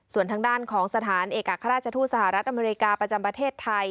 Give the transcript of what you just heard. ส่วนทางด้านของสถานเอกอัครราชทูตสหรัฐอเมริกาประจำประเทศไทย